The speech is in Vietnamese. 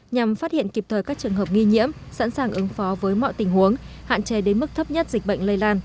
nhằm phát hiện kịp thời các trường hợp nghi nhiễm sẵn sàng ứng phó với mọi tình huống hạn chế đến mức thấp nhất dịch bệnh lây lan